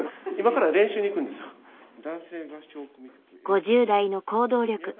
５０代の行動力